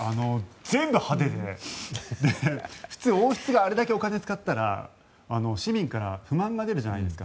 全部派手で普通、王室があれだけお金を使ったら市民から不満が出るじゃないですか。